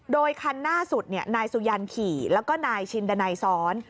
โดยคันหน้าสุดนายสุยันขี่แล้วก็นายชินดันัยซ้อน